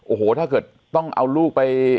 โอ้โหถ้าเกิดต้องเอาลูกไป